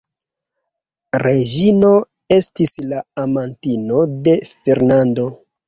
Reĝino estis la amantino de Fernando.